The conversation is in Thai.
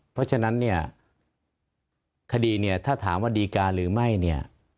เพราะฉะนั้นเนี่ยคดีเนี่ยถ้าถามว่าดีการหรือไม่เนี่ย